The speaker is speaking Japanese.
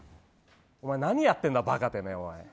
お前、何やってんだバカ、てめえ。